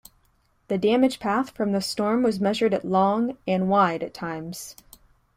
The damage path from the storm was measured at long, and wide at times.